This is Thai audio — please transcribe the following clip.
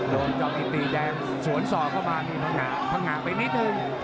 โดนจอมกิตตีแดงสวนส่อเข้ามามีทางหงาทางหงาไปนิดนึง